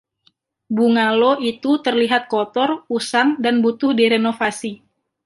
Bungalo itu terlihat kotor, usang, dan butuh direnovasi.